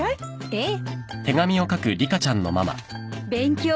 ええ。